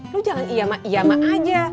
lo jangan iya mai ia mai aja